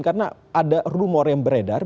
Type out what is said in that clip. karena ada rumor yang beredar